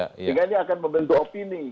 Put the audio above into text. sehingga ini akan membentuk opini